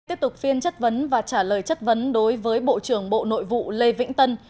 tiếp tục phiên chất vấn và trả lời chất vấn đối với bộ trưởng bộ nội vụ lê vĩnh tân